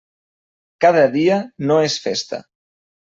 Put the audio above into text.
Cada dia no és festa.